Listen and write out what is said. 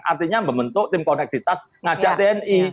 artinya membentuk tim koneksitas ngajak tni